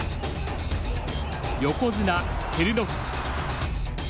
横綱照ノ富士。